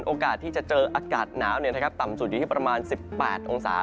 โอกาสที่จะเจออากาศหนาวต่ำสุดอยู่ที่ประมาณ๑๘องศา